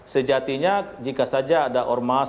sejatinya jika saja ada ormas